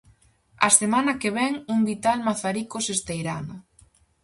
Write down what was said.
A semana que vén, un vital Mazaricos-Esteirana.